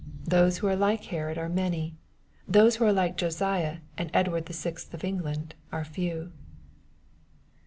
Those who are like Herod are many. Those who are like Josiah and Edward the Sixth of England are few.